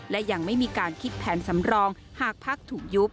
และยังไม่มีการคิดแผนสำรองหากภักดิ์ถูกยุบ